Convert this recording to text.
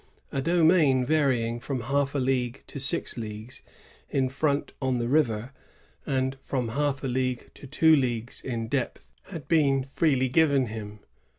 A domain varying from Imlf a league to six leagues in front on the rivisr, and from half a league to two leagues in depth, Imd lK5on f rouly given liim.